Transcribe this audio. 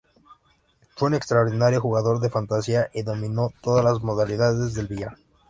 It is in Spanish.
Fue un extraordinario jugador de fantasía y dominó todas las modalidades del billar.